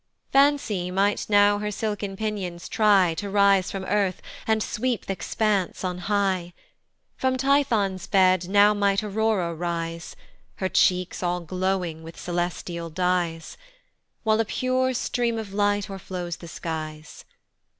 Fancy might now her silken pinions try To rise from earth, and sweep th' expanse on high: From Tithon's bed now might Aurora rise, Her cheeks all glowing with celestial dies, While a pure stream of light o'erflows the skies.